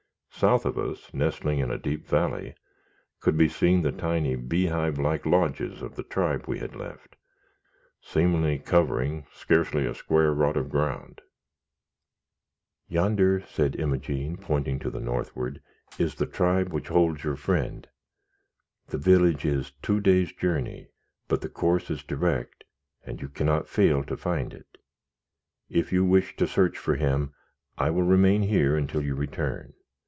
South of us, nestling in a deep valley, could be seen the tiny beehive like lodges of the tribe we had left, seemingly covering scarcely a square rod of ground. "Yonder," said Imogene, pointing to the northward, "is the tribe which holds your friend. The village is two days' journey, but the course is direct, and you cannot fail to find it. If you wish to search for him, I will remain here until you return.